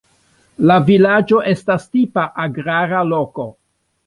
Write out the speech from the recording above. La vilaĝo estas tipa agrara loko.